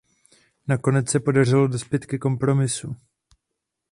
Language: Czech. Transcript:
Nakonec se podařilo dospět ke kompromisu.